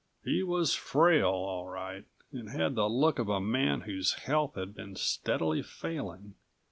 He was frail, all right, and had the look of a man whose health had been steadily failing